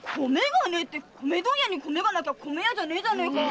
米問屋に米がなけりゃ米屋じゃねえじゃねえか。